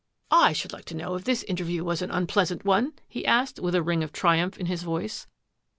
" I should like to know if this interview was an unpleasant one? " he asked, with a ring of triumph in his voice.